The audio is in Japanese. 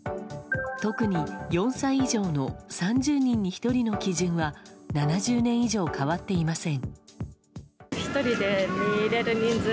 特に４歳以上の３０人に１人の基準は７０年以上変わっていません。